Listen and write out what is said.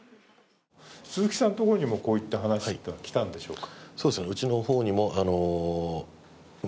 鈴木さんのところにもこういった話ってきたんでしょうか？